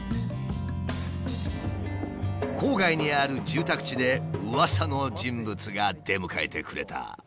郊外にある住宅地でうわさの人物が出迎えてくれた。